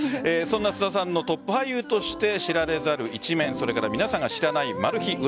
そんな菅田さんのトップ俳優として知られざる一面それから皆さんが知らないマル秘